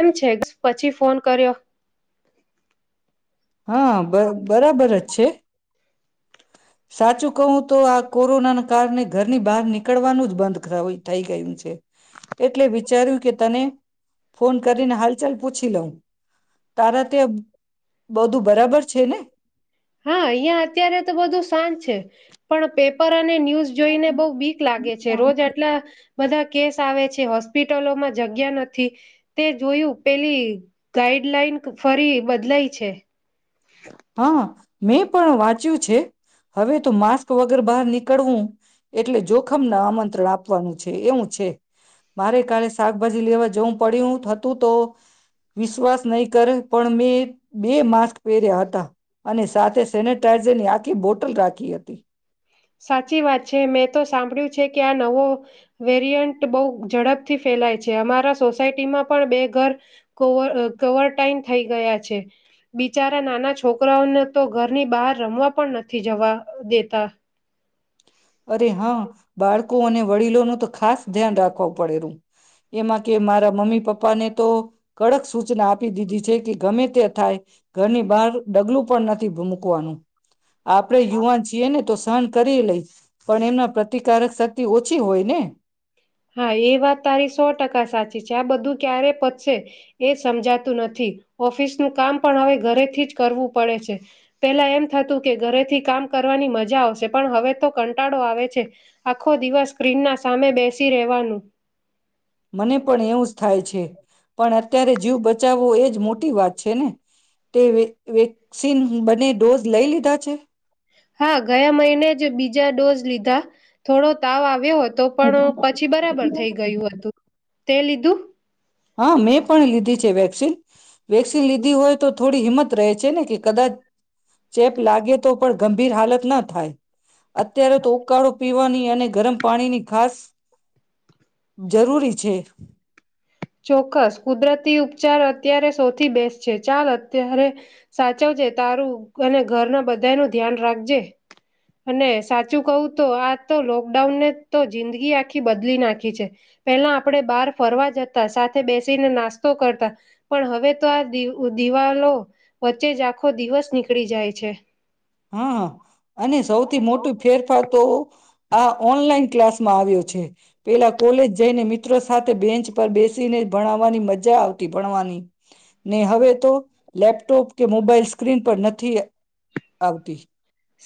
એમ છે પછી ફોન કર્યો. હા બ બરાબર જ છે. સાચું કહું તો આ કોરોનાને કારણે ઘરની બહાર નીકળવાનું જ બંધ થઈ ગયો છે. એટલે વિચાર્યું કે તને ફોન કરીને હાલચાલ પૂછી લઉં. તારા ત્યાં બધું બરાબર છે ને? હા અહિયાં અત્યારે તો બધું શાંત છે પણ પેપર ન્યૂઝ જોઈને બહુ બીક લાગે છે રોજ આટલા બધા કેસ આવે છે હોસ્પિટલોમાં જગ્યા નથી તે જોયું પેલી ગાઈડ હેડલાઇન ફરી બદલાય છે. હા મેં પણ વાંચ્યું છે હવે તો માસ્ક વગર બહાર નીકળવું એટલે જોખમને આમંત્રણ આપવાનું છે. એવું છે, મારે કાલે શાકભાજી લેવા જવું પડ્યું હતું, તો વિશ્વાસ નહીં કરે, પણ મેં. બે માસ્ક પહેર્યા હત અને સાથે, સેનેટાાઈઝરની આખી બોટલ રાખી હતી. સાચી વાત છે. મેં તો સાંભળ્યું છે કે આ નવો વેરિયન્ટ બહુ ઝડપથી ફેલાય છે. અમારા સોસાયટીમાં પણ બે ઘર કોવ કોવરટાાઈન થઈ ગયા છે. બિચારા નાના છોકરાઓને તો ઘરની બહાર રમવા પણ નથી જવા દેતા. અરે હા, બાળકો અને વડીલોનું તો ખાસ ધ્યાન રાખવું પડે. એમાં કે, મારા મમ્મી પપ્પાને તો. કડક સૂચના આપ. આપ દીધી છે કે, ગમે તે થાય ઘરની બહાર ડગલું પણ નથી મૂકવાનું આપડે યુવાન છીએ ને, તો સહન કરી લઈ પણ એમના પ્રતિકારક શક્તિ ઓ છી હોય ને. હા, એ વાત તારી સો ટકા સાચી છે. આ બધું ક્યારે પતશે, એ સમજાતું નથી. ઓફિસનું કામ પણ હવે ઘરેથી જ કરવું પડે છે. પેલા એમ થતું કે ઘરેથી કામ કરવાની મજા આવશે, પણ હવે તો કંટાળો આવે છે. આખો દિવસ સ્ક્રીન ના સામે બેસી. રહેવાનું. મને પણ એવું થાય છે. પણ અત્યારે જીવ બચાવવો એ જ મોટી વાત છે ને તે ન બંને ડોઝ લઈ લીધા છે. હા ગયા મહિને જ બીજા ડોઝ લીધા થોડો તાવ આવ્યો હતો તો પણ પછી બરાબર થઈ ગયું હતું. તે લીધુ હા મેં પણ લીધી છે વેક્સિન. વેક્સિન લીધી હોય તો થોડી હિંમત રહે છે ને કે કદાચ ચેપ લાગે તો પણ ગંભીર હાલત ના થાય અત્યારે તો ઉકાળો પીવાની અને ગરમ પાણીની ખાસ જરૂરી છે. ચોક્કસ કુદરતી ઉપચાર અત્યારે સૌથી બેસ્ટ છે ચાલ અત્યારે સાચવજે તારું અને ઘરના બધા નું ધ્યાન રાખજે અને સાચું કહું તો આ તો લોકડાઉનને તો જિંદગી આખી બદલી નાખી છે પેલા આપણે બહાર ફરવા જ સાથે બેસીને નાસ્તો કરતા પણ હવે તો આ દિવાલો વચ્ચે જ આખો દિવસ નીકળી જાય છે હા. અને સૌથી મોટું ફેરફાર તો આ ઓનલાઈન ક્લાસમાં આવ્યો છે પેલા કોલેજ જઈને મિત્રો સાથે બેન્ચ પર બેસીને ભણાવવાની મજા આવતી ભણવાની ને હવે તો લેપટોપ કે મોબાઈલ સ્ક્રીન પર નથી. આવતી.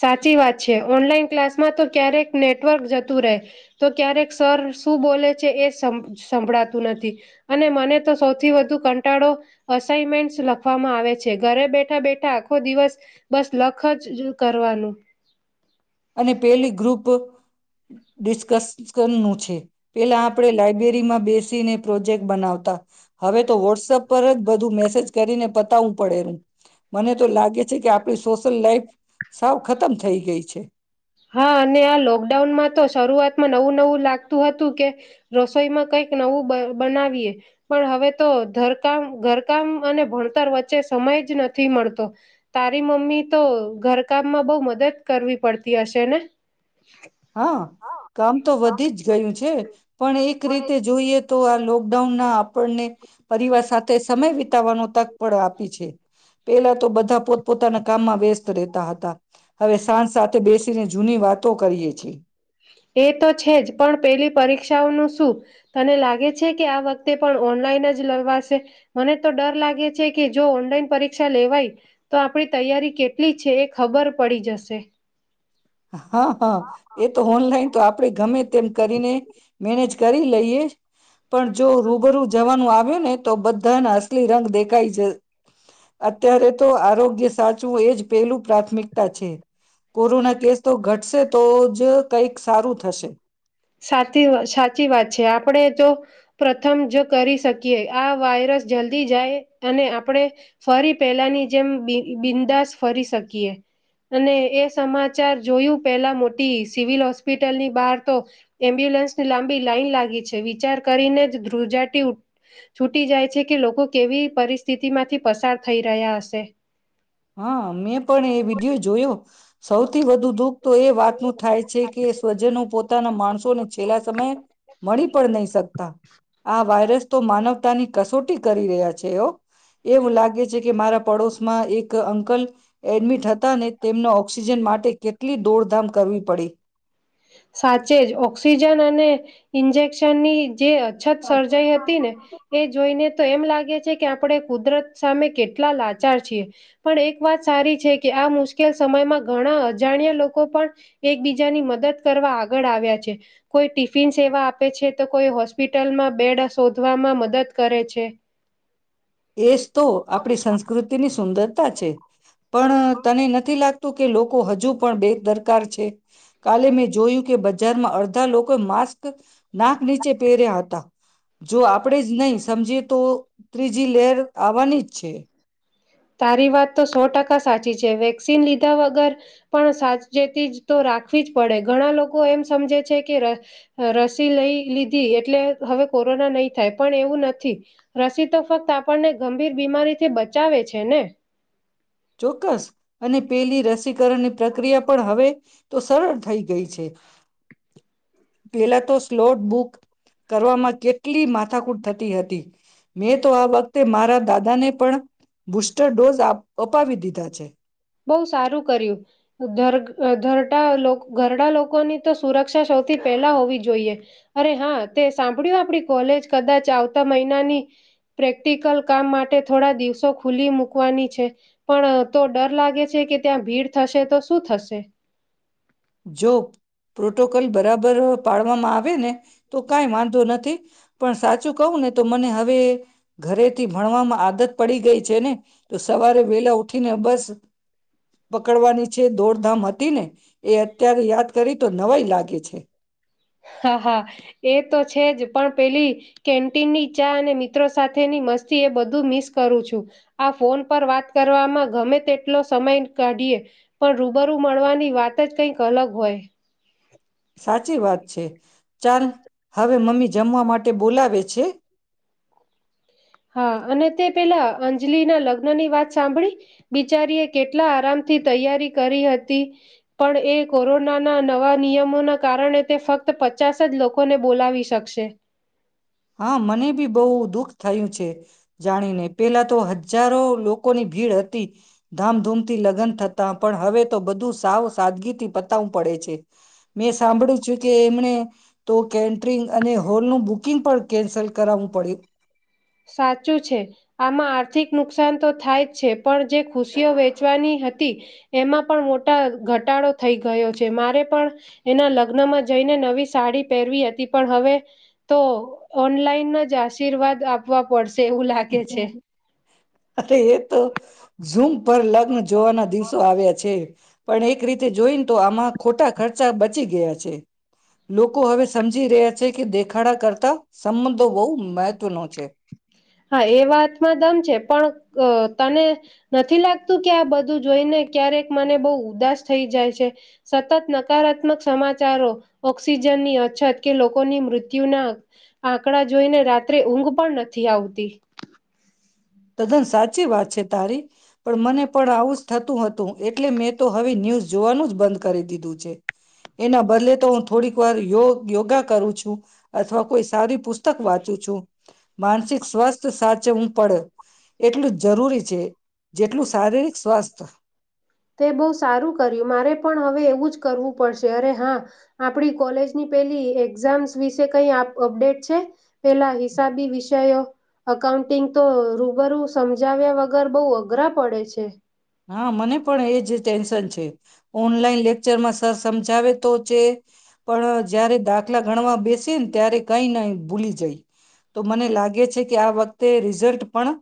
સાચી વાત છે ઓનલાઈન ક્લાસમાં તો ક્યારેક નેટવર્ક જતું રહે તો ક્યારેક સર શું બોલે છે એ સ સ સંભળાતું નથી અને મને તો સૌથી વધુ કંટાળો અસાઈનમેન્ટ લખવામાં આવે છે ઘરે બેઠા બેઠા આખો દિવસ બસ લખ જ. કરવાનું. અને પેલી ગ્રુપ. ડિસ્કસનું છે. પેલા આપડે લાયબ્રેરીમાં. બેસીને પ્રોજેક્ટ બનાવતા. હવે તો વોટ્સપ પર જ બધું મેસેજ કરીને પ. પડેું રુ મને તો લાગે છે કે આપ. આપણી સોશલ લાઈફ. સાવ ખતમ થઈ ગઈ છે. હા અને આ લોકડાઉનમાં તો શરૂઆતમાં નવું નવું લાગતું હતું કે રસોઈમાં કંઈક નવું બનાવીએ પણ હવે તો ઘરકામ ઘરકામ અને ભણતર વચ્ચે સમય જ નથી મળતો તારી મમ્મી તો. ઘરકામમાં બહુ મદદ કરવી પડતી હશે ને. હા કામ તો વધી જ ગયું છે પણ એક રીતે જોઈએ તો આ લો લોકડાઉના આપણને પરિવાર સાથે સમય વિતાવવાનો તક પળ આપી છે પેલા તો બધા પોતપોતાના કામમાં વ્યસ્ત રહેતા હતા હવે સાંજ સાથે બેસીને જૂની વાતો કરીએ. [inaudible] એ તો છે જ પણ પેલી પરીક્ષાઓનું શું તને લાગે છે કે આ વખતે પણ ઓનલાઈન જ લવાશે મને તો ડર લાગે છે કે જો ઓનલાઈન પરીક્ષા લેવાય તો આપડી તૈયારી કેટલી છે એ ખબર પડી જશે. હા હા એ તો ઓનલાઈન તો આપડે ગમે તેમ કરીને મેનેજ કરી લઈએ પણ જો રૂબરૂ જવાનું આવ્યું ને તો બધાના અસલી રંગ દેખ કઈ જઈ અત્યારે તો આરોગ્ય સાચવું એ જ પહેલું પ્રાથમિકતા છે. કોરોના કેસ તો ઘટશે તો જ કઈક સારું થશે. સાતી વ સાચી વાત છે આપણે તો પ્રથમ જો કરી શકીએ આ વાયરસ જલ્દી જાય અને આપણે ફરી પેલાની જેમ બી બિંદાસ ફરી શકીએ અને એ સમાચાર જોયું પેલા મોટી સિવિલ હોસ્પિટલની બહાર તો એમ્બ્યુલન્સની લાંબી લાાઈન લાગી છે વિચાર કરીને જ ધ્રુજાટી છૂટી જાય છે કે લોકો કેવી પરિસ્થિતિ માંથી પસાર થઈ રહ્યા હશે. હા મેં પણ એ વિડિયો જ જોયું સૌથી વધુ દુઃખ તો એ વાતનું થાય છે કે સ્વજનો પોતાના માણસોને છેલ્લા સમયે મળી પણ નહી શકતા આ વાયરસ તો માનવ તાની કસોટી કરી રહ્યા છે એ એવું લાગે છે કે મારા પડોશમાં એ ક અંકલ એડમિટ હતા ને તેમના ઓક્સિજન માટે કેટલી દોડધામ કરવી પડી. સાચે જ ઓક્સિજન અને ઇન્જેક્શનની જે અછત સર્જાઈ હતી ને એ જોઈને તો એમ લાગે છે કે, આપડે કુદરત સામે કેટલા લાચાર છીએ. પણ, એક વાત સારી છે કે આ મુશ્કેલ સમયમાં ઘણા અજાણ્યા લોકો પણ એકબીજાની મદદ કરવા આગળ આવ્યા છે. કોઈ ટિફિન સેવા આપે છે, તો કોઈ હોસ્પિટલમાં બેડ શોધવામાં મદદ કરે છે. એ જ તો આપડી સંસ્કૃતિની સુંદરતા છે. પણ તને નથી લાગ તુ કે, લોકો હજુ પણ બેદરકાર છે. કાલે મેં જોયું કે બ જારમાં અડધા લોકો એ માસ્ ક નાક નીચે પહેર્યા હતા. જો આપડે જ નઈ સમજીએ તો ત્રી જી લેર આવાની જ છે. તારી વાત તો સો ટકા સાચી છે. વેક્સિન લીધા વગર પણ સાચચેતી જ તો રાખવી જ પડે. ઘણા લોકો એમ સમજે છે કે, ર રસી લઈ લીધી એટલે હવે કોરોના નહી થાય. પણ, એવું નથી રસી તો ફક્ત આપણને ગંભીર બીમારીથી બચાવે છે ને. ચોક્કસ. અને પેલી ર સીકરણ ની પ્રક્રિયા પણ હવે તો સરળ થઈ ગઈ છે. પેલા તો સ્લોટ બુક કરવામાં કેટલી મા થાકૂટ થતી હતી. મેં તો આ વખતે મારા દાદાને પણ બૂસ્ટર ડોઝ આપ અપાવી દીધા છે. બઉુ સારું કર્યું. ધર્ગ અ ધરડા લોક ઘરડા લોકોની તો સુરક્ષા સૌથી પહેલા હોવી જોઈએ. અરે હા, તે સાંભળ્યું આપણી કોલેજ કદાચ આવતા મહિનાની પ્રેક્ટિકલ કામ માટે થોડા દિવસો ખુલી મૂકવાની છે. પણ તો ડર લાગે છે કે, ત્યાં ભીડ થશે તો શું થશે? જો પ્રોટોકોલ બરાબર પાડવામાં આવે ને તો કાંઈ વાનધો નથી. પણ સાચું કંવ ને, તો મને હવે ઘરેથી ભણવામાં આદત પડી ગઈ છે ને તો સવારે વેલા ઉઠીને બસ પકડવાની છે. દોડધામ હતી ને એ અત્યારે યાત કરી તો નવાય લાગે છે. હા, હા, એ તો છે જ. પણ પેલી કેન્ટીનની ચા અને મિત્રો સાથેની મસ્તી એ બધું મિસ કરું છું. આ ફોન પર વાત કરવામાં ગમે તેટલો સમય કાઢીએ પણ રૂબરૂ મળવાની વાત જ કઈક અલગ હોય. સાચી વાત છે. ચાલ હવે મમ્મી જમવા માટે બોલાવે છે. હા અને તે પેલા અંજલીના લગ્ન ની વાત સાંભળી, બિચારી એ કેટલા આરામથી તૈયારી કરી હતી પણ એ કોરોનાના નવા નિયમોના કારણે તે ફક્ત પચાસ જ લોકોને બોલાવી શકશે. હા, મને બી બો દુઃખ થયું છે જાણીને, પેલા તો હજારો લોકોની ભીડ હત તી ધામધૂમથી લગ્ન થ તા પણ હવે તો બધું સાવ સાદગીથી પતાવું પડે છે. મેં સાંભળું છું કે એમને તો કેન્ટરિંગ અને હોલનું બુકિંગ પણ કેન્સલ કરાવું પડ્યું. સાચું છે, આમાં આર્થિક નુકસાન તો થાયજ છે, પણ જે ખુશીઓ વેચવાની હતી એમાં પણ મોટા ઘટાડો થઈ ગયો છે. મારે પણ એના લગ્નમાં જઈને નવી સાડી પહેરવી હતી, પણ હવે તો ઓનલાઈન જ આશીર્વાદ આપ વા પડશે. અરે એ તો ઝૂમ પર લગ્ન જોવાના દિવસો આવ્યા છે, પણ એક રીતે જોઈને તો આમાં ખોટા ખર્ચા બચી ગયા છે. લોકો હવે સમજી રહ્યા છે કે દેખાડા કરતા સંબંધો બોવ મેહ તો નો છેે. હા, એ વાતમાં દમ છે, પણ તને નથી લાગતું કે આ બધું જોઈને ક્યારેક મને બહુ ઉદાસ થઈ જાય છે, સતત નકારાત્મક સમાચારો, ઓક્સિજનની અછત કે લોકોની મૃત્યુના આંકડા જોઈને રાત્રે ઊંઘ પણ નથી આવતી તી તદ્દન સાચી વાત છે તારી, પણ મને પણ આવુંજ થતું હતું એટલે મેં તો હવે ન્યૂઝ જોવાનું જ બંધ કરી દીધું છે. એના બદલે તો થોડીક વાર યો યોગા કરું છું અથવા કોઈ સારી પુસ્તક વાંચું છું, માનસિક સ્વાસ્થ સાચ હું પડે એટલું જ જરૂરી છે, જેટલું શારીરિક સ્વાસ્થ્ય. તે બહુ સારું કર્યું, મારે પણ હવે એવું જ કરવું પડશે. અરે હા આપડી કોલેજની પેલી એક્ઝામ્સ વિશે કઈ અપડેટ છે, પેલા હિસાબી વિષયો અઉન્ટિંગ તો રૂબરૂ સમજાવ્યા વગર બહુ અઘરા પડે છે. હા, મને પણ એજ ટેન્શન છે. ઓનલાઈન લેક્ચરમાં સર સમજાવે તો છે, પણ જયારે દાખલા ગણવા બેસે ને ત્યારે કઈ ન ભૂલી જાય. તો મને લાગે છે કે આ વખતે રિઝલ્ટ પણ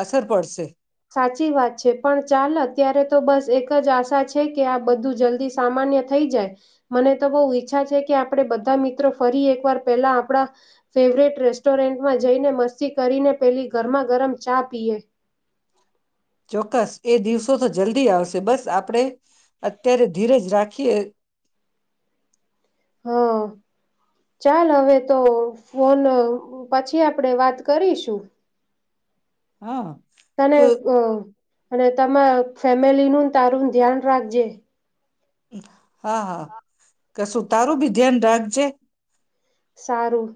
અસર પડશે. સાચી વાત છે પણ ચાલ ત્યારે તો બસ એકજ આશા છે કે આ બધું જલ્દી સામાન્ય થઈ જાય. મને તો બોવ ઈચ્છા છે કે આપડે બધા મિત્રો ફરી એકવાર પેલા આપણા ફેવરેટ રેસ્ટોરન્ટમાં જઈને મસ્તી કરીને પેલી ગરમા ગરમ ચા પીએ. ચોક્કસ એક દિવસ. સો તો જલ્દી આવશે બસ આપડે અત્યારે ધીરજ રાખીએ હા, ચાલ હવે તો ફોન પછી આપડે વાત કરીશું. હા તને તો અ અને તમાર ફેમિલી નું તારું ધ્યાન રાખજે [inaudible] હા હા કશું તારું બી ધ્યાન રાખજે સારું